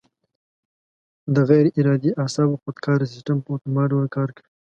د غیر ارادي اعصابو خودکاره سیستم په اتومات ډول کار کوي.